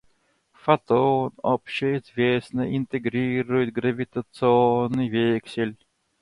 Фотон, общеизвестно, интегрирует гравитационный вексель.